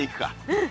うん！